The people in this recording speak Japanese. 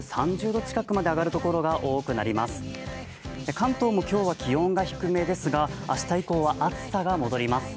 関東も今日は気温が低めですが明日以降は暑さが戻ります。